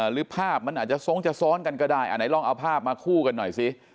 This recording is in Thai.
หรือภาพมันอาจจะทรงจะซ้อนกันก็ได้อันไหนลองเอาภาพมาคู่กันหน่อยสิ